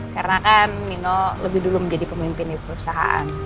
karena kan nino lebih dulu menjadi pemimpin di perusahaan